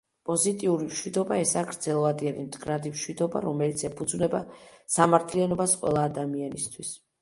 პოზიტიური მშვიდობა ესაა გრძელვადიანი, მდგრადი მშვიდობა, რომელიც ეფუძნება სამართლიანობას ყველა ადამიანისთვის.